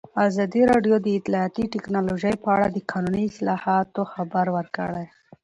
ازادي راډیو د اطلاعاتی تکنالوژي په اړه د قانوني اصلاحاتو خبر ورکړی.